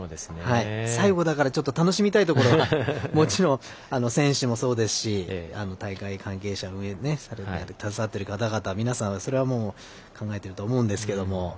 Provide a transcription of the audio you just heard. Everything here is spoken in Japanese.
最後だから楽しみたいところがもちろん選手もそうですし大会関係者、運営に携わってる方皆さん、それはもう考えていると思うんですが。